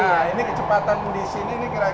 nah ini kecepatan di sini ini kira kira